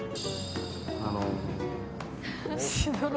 あの。